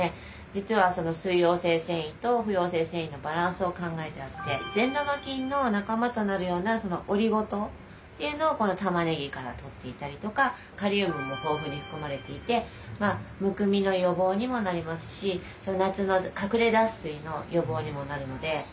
実は水溶性繊維と不溶性繊維のバランスを考えてあって善玉菌の仲間となるようなオリゴ糖っていうのを玉ねぎからとっていたりとかカリウムも豊富に含まれていてむくみの予防にもなりますし夏の隠れ脱水の予防にもなるので。